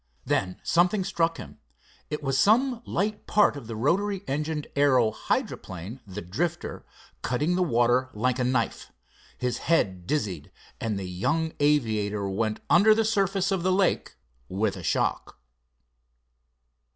Then something struck him. It was some light part of the rotary engined aero hydroplane, the Drifter, cutting the water like a knife. His head dizzied, and the young aviator went under the surface of the lake with a shock.